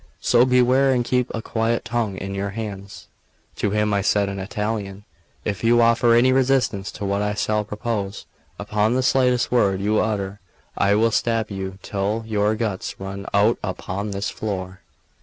So beware, and keep a quiet tongue in your heads." To him I said in Italian: "If you offer any resistance to what I shall propose, upon the slightest word you utter I will stab you till your guts run out upon this floor."